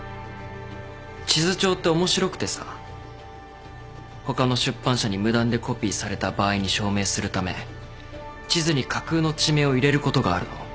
地図帳って面白くてさ他の出版社に無断でコピーされた場合に証明するため地図に架空の地名を入れることがあるの。